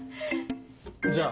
じゃあ。